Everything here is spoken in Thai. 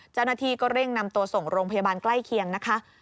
เจ้าหน้าที่ก็เร่งนำตัวส่งโรงพยาบาลใกล้เคียงนะคะ